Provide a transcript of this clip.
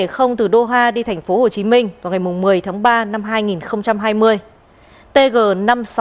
qh chín trăm bảy mươi từ doha đi tp hcm vào ngày một mươi tháng ba năm hai nghìn hai mươi